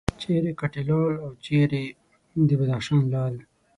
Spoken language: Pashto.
چیرې کټې لال او چیرې د بدخشان لعل.